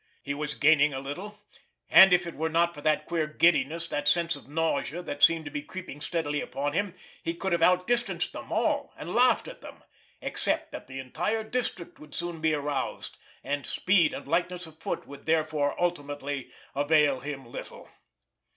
He was even gaining a little, and if it were not for that queer giddiness, that sense of nausea that seemed to be creeping steadily upon him, he could have outdistanced them all, and laughed at them—except that the entire district would soon be aroused, and speed and lightness of foot would therefore ultimately avail him little.